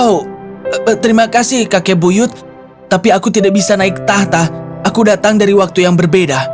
oh terima kasih kakek buyut tapi aku tidak bisa naik tahta aku datang dari waktu yang berbeda